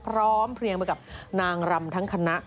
พร้อมเพลียงไปกับนางรำทั้งคณะ